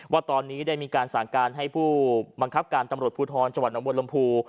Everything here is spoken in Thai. ว่าตอนนี้ได้มีการสารการให้ผู้บังคับการตำรวจภูทรจวันอมวลลำพู